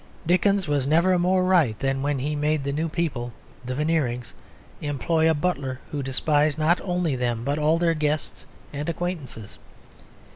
Dickens was never more right than when he made the new people, the Veneerings, employ a butler who despised not only them but all their guests and acquaintances.